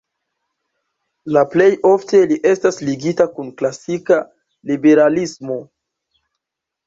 La plej ofte li estas ligita kun klasika liberalismo.